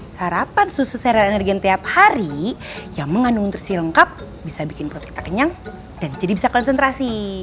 sarapan susu sereal energen tiap hari yang mengandung nutrisi lengkap bisa bikin produk kita kenyang dan jadi bisa konsentrasi